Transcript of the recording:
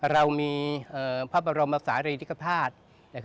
เรามีภาพบรมภาษาอินิกษภาษณ์